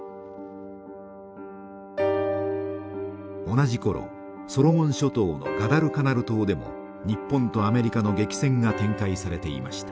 同じころソロモン諸島のガダルカナル島でも日本とアメリカの激戦が展開されていました。